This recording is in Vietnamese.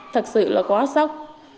thật sự là quá sốc